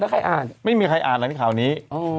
แล้วใครอ่านไม่มีใครอ่านเหรอนี่ข่าวนี้